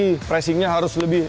ini lagi pressingnya harus lebih